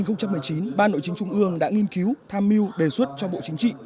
năm hai nghìn một mươi chín ban nội chính trung ương đã nghiên cứu tham mưu đề xuất cho bộ chính trị